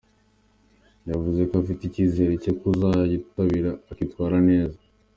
Yavuze ko afite icyizere cyo kuzaryitabira akitwara neza.